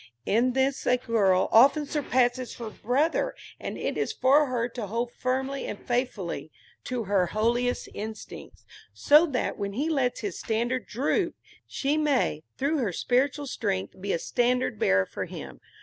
In this a girl often surpasses her brother; and it is for her to hold firmly and faithfully to her holiest instincts, so that when he lets his standard droop, she may, through her spiritual strength, be a standard bearer for him.